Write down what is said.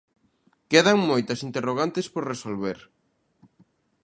Quedan moitas interrogantes por resolver.